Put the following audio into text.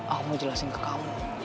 aku mau jelasin ke kamu